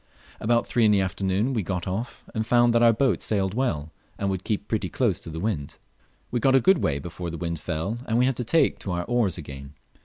About three in the afternoon we got off, and found that our boat sailed well, and would keep pretty close to the wind. We got on a good way before the wind fell and we had to take to our oars again.